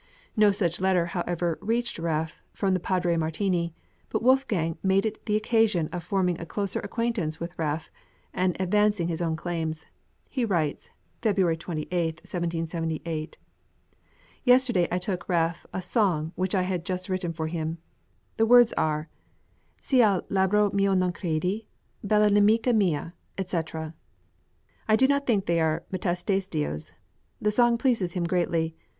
No such letter, however, reached Raaff from Padre Martini; but Wolfgang made it the occasion of forming a closer acquaintance with Raaff, and advancing his own claims. He writes (February 28, 1778): Yesterday I took Raaff a song which I had just written for him. The words are "Se al labro mio non credi, bella nemica mia," &c. I do not think they are Metastasio's. The song pleases him greatly.